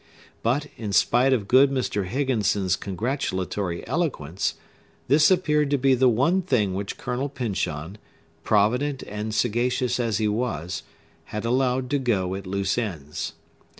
But, in spite of good Mr. Higginson's congratulatory eloquence, this appeared to be the one thing which Colonel Pyncheon, provident and sagacious as he was, had allowed to go at loose ends.